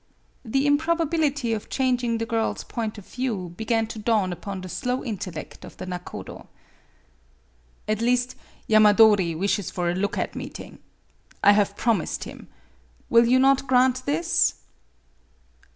" The improbability of changing the girl's 36 MADAME BUTTERFLY point of view began to dawn upon the slow intellect of the nakodo. " At least, Yamadori wishes for a look at meeting. I have promised him. Will you not grant this